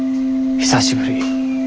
久しぶり。